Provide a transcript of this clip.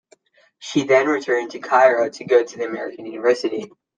She then returned to Cairo to go to the American University.